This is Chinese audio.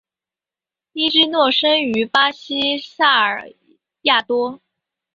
伊芝诺生于巴西萨尔瓦多。